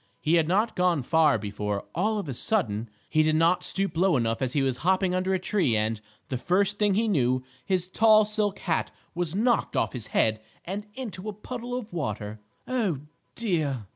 He had not gone far before, all of a sudden, he did not stoop low enough as he was hopping under a tree and, the first thing he knew, his tall silk hat was knocked off his head and into a puddle of water. "Oh, dear!"